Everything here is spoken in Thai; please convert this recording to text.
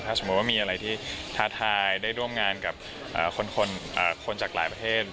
สมมุติว่ามีอะไรที่ท้าทายได้ร่วมงานกับคนจากหลายประเทศ